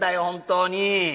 本当に。